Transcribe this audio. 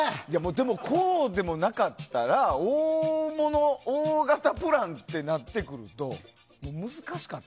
こうでもなかったら大型プランってなってくると難しかった。